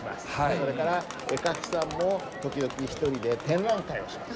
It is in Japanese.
それから絵描きさんも時々１人で展覧会をします。